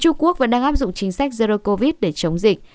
trung quốc vẫn đang áp dụng chính sách zero covid để chống dịch